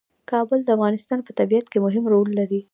کابل د افغانستان په طبیعت کې مهم رول لري.